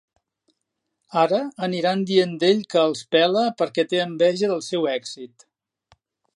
Ara aniran dient d'ell que els pela perquè té enveja del seu èxit.